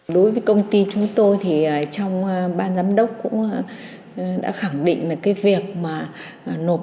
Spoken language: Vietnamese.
đối với công ty chúng tôi thì trong ban giám đốc cũng đã khẳng định là cái việc mà nộp